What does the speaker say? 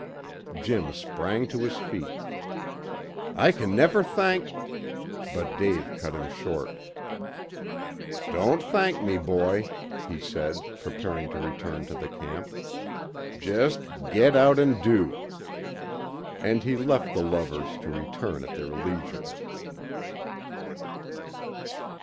Jim sprang to his feet. "I can never thank " But Dave cut him short. "Don't thank me, boy," he said, preparing to return to the camp. "Just get out and do." And he left the lovers to return at their leisure.